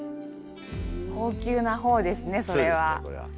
高級な方ですねそれは。